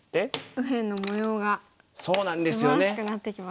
右辺の模様がすばらしくなってきましたね。